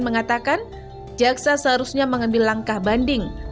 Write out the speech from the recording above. mengatakan jaksa seharusnya mengambil langkah banding